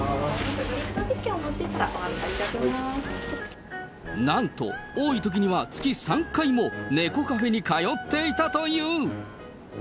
ドリンクサービス券お持ちでしたら、なんと多いときには、月３回も猫カフェに通っていたという。